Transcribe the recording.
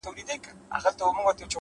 علم د تصمیم نیولو توان زیاتوي